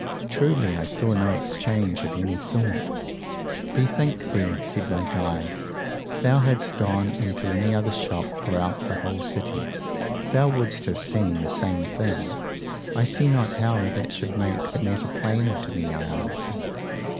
Truly I saw no exchange of any sort. Bethink thee, said my guide, if thou hadst gone into any other shop throughout the whole city, thou wouldst have seen the same thing. I see not how that should make the matter plainer to me, I answered.